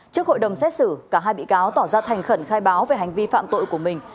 trước hội đồng xét xử cả hai bị cáo tỏ ra thành khẩn khai báo về hành vi phạm tội của mình